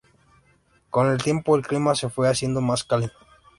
Con el tiempo, el clima se fue haciendo más cálido.